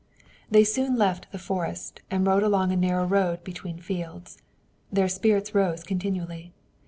They soon left the forest, and rode along a narrow road between fields. Their spirits rose continually.